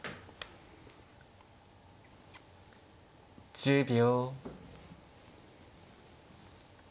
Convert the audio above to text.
１０秒。